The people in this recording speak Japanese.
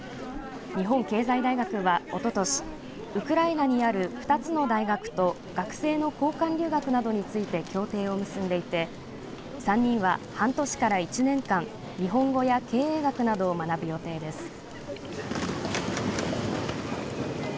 日本経済大学は、おととしウクライナにある２つの大学と学生の交換留学などについて協定を結んでいて３人は半年から１年間日本語や経営学などを学ぶ予定です。